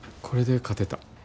これで勝てた。